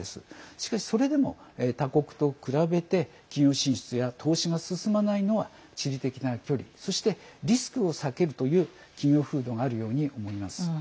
しかし、それでも他国と比べて企業進出や投資が進まないのは地理的な距離そしてリスクを避けるという企業風土があるように思います。